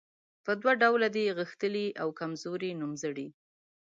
په دوه ډوله دي غښتلي او کمزوري نومځري.